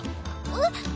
えっ？